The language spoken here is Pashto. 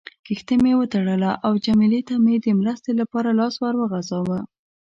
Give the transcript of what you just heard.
کښتۍ مې وتړله او جميله ته مې د مرستې لپاره لاس ور وغځاوه.